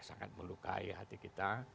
sangat melukai hati kita